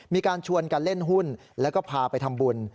มีการชวนกันเล่นหุ้นแล้วก็พาไปทำบุญ